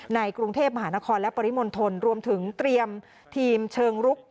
ในกรุงเทพมหานครและปริมณฑลรวมถึงเตรียมทีมเชิงลุก